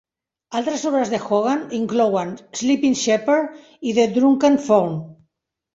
Altres obres de Hogan inclouen "Sleeping Shepherd" i "The Drunken Faun".